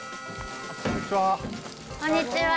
こんにちは。